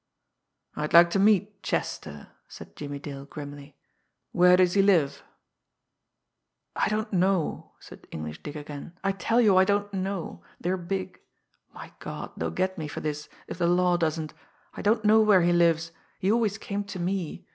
"I'd like to meet 'Chester,'" said Jimmie Dale grimly. "Where does he live?" "I don't know," said English Dick again. "I tell you, I don't know! They're big my God, they'll get me for this, if the law doesn't! I don't know where he lives he always came to me.